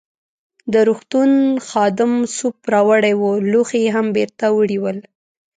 د روغتون خادم سوپ راوړی وو، لوښي يې هم بیرته وړي ول.